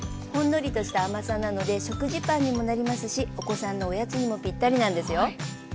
ほんのりとした甘さなので食事パンにもなりますしお子さんのおやつにもぴったりなんですよ。